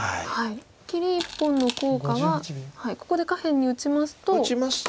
切り１本の効果はここで下辺に打ちますと。